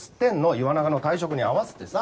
岩永の退職に合わせてさ。